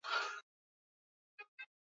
Baada ya msimu huu msimu mwengine hunaanza